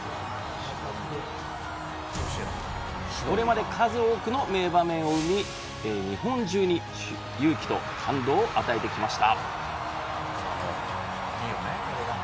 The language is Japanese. これまで数多くの名場面を生み、日本中に勇気と感動を与えてきました。